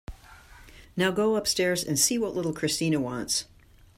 Now go upstairs and see what little Christina wants.